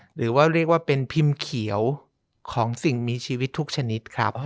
หรือว่าเรียกว่าเป็นพิมพ์เขียวของสิ่งมีชีวิตทุกชนิดครับ